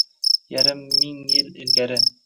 Yarim ming yil ilgari